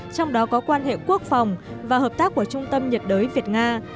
trong đó có quan hệ quốc phòng và hợp tác của trung tâm nhiệt đới việt nga